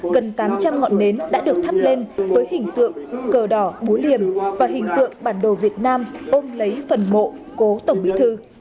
gần tám trăm linh ngọn nến đã được thắp lên với hình tượng cờ đỏ búa liềm và hình tượng bản đồ việt nam ôm lấy phần mộ cố tổng bí thư